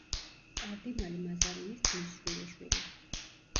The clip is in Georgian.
კარდინალი მაზარინის ძმის შვილიშვილი.